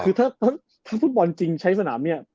คือถ้าฟุตบอลจริงใช้สนามเนี่ย